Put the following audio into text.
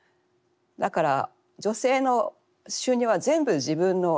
だから女性の収入は全部自分の小遣い。